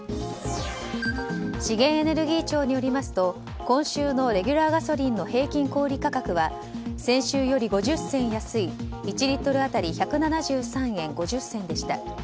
資源エネルギー庁によりますと今週のレギュラーガソリンの平均小売価格は先週より５０銭安い１リットル当たり１７３円５０銭でした。